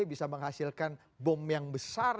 bisa menghasilkan bom yang besar